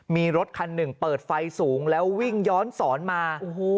มีรถคันหนึ่งเปิดไฟสูงแล้ววิ่งย้อนสอนมา